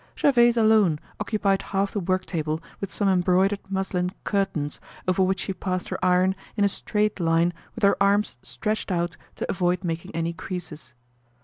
Gervaise alone occupied half the work table with some embroidered muslin curtains, over which she passed her iron in a straight line with her arms stretched out to avoid making any creases.